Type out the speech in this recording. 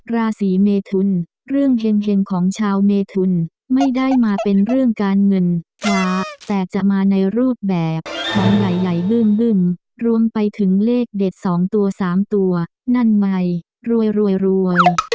ราศีเมทุนเรื่องเห็งของชาวเมทุนไม่ได้มาเป็นเรื่องการเงินพระแต่จะมาในรูปแบบของใหญ่ลื่นรวมไปถึงเลขเด็ด๒ตัว๓ตัวนั่นใหม่รวยรวย